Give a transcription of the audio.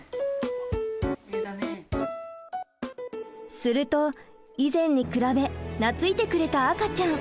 すると以前に比べ懐いてくれた赤ちゃん。